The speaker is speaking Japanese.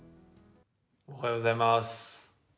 おはようございます。